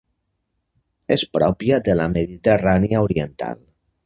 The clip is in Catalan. És pròpia de la Mediterrània oriental.